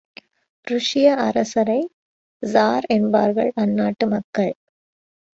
ருஷிய அரசரை ஜார் என்பார்கள் அந்நாட்டு மக்கள்.